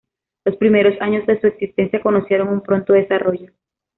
Los primeros años de su existencia conocieron un pronto desarrollo.